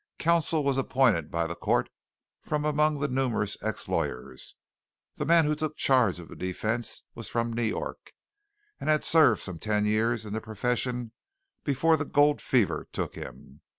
Counsel was appointed by the court from among the numerous ex lawyers. The man who took charge of the defence was from New York, and had served some ten years in the profession before the gold fever took him.